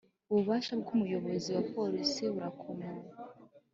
ububasha bw ‘umuyobozi wa polisi burakomeye.